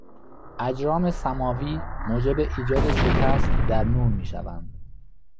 اجرام سماوی موجب ایجاد شکست در نور میشوند.